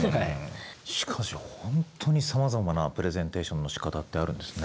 しかしほんとにさまざまなプレゼンテーションのしかたってあるんですね。